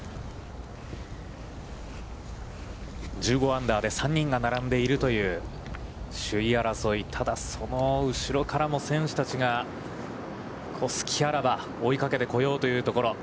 １５アンダーで３人が並んでいるという首位争い、その後ろからも選手たちが、隙あらば追いかけてこようというところ。